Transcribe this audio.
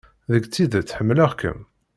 Deg tidet, ḥemmleɣ-kem.